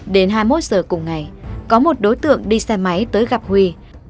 đến hai mươi một giờ cùng ngày có một đối tượng đi xe máy tới gặp huy